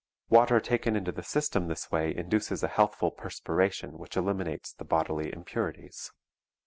Water taken into the system this way induces a healthful perspiration which eliminates the bodily impurities.